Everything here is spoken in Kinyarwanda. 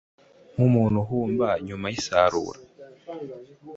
nk’umuntu uhumba nyuma y’isarura.